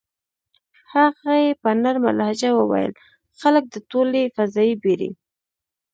هغې په نرمه لهجه وویل: "خلک د ټولې فضايي بېړۍ.